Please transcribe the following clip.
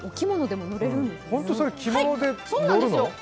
本当にそれ、着物で乗るの？